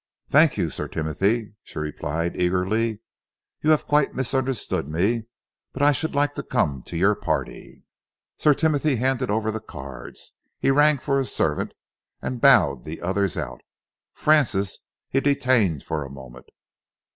"Thank you, Sir Timothy," she replied eagerly. "You have quite misunderstood me but I should like to come to your party." Sir Timothy handed over the cards. He rang for a servant and bowed the others out. Francis he detained for a moment.